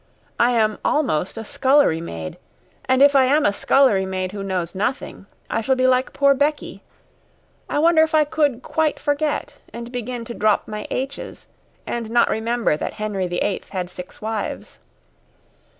"I am almost a scullery maid, and if I am a scullery maid who knows nothing, I shall be like poor Becky. I wonder if I could QUITE forget and begin to drop my H'S and not remember that Henry the Eighth had six wives."